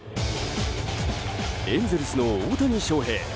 エンゼルスの大谷翔平。